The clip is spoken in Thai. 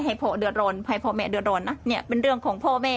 ให้พ่อแม่เดือดร้อนนะนี่เป็นเรื่องของพ่อแม่